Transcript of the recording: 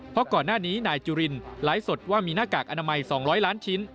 เพราะก่อนหน้านี้นายจุรินไลฟ์สดว่ามีหน้ากากอนามัย๒๐๐ล้านชิ้น